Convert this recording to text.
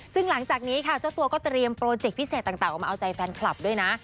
ซึ่งหลังจากนี้ค่ะเจ้าตัวก็เตรียมโปรเจกต์พิเศษต่างออกมาเอาใจแฟนคลับด้วยนะ